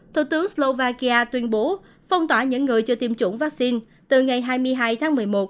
thủ tướng slovakia tuyên bố phong tỏa những người chưa tiêm chủng vaccine từ ngày hai mươi hai tháng một mươi một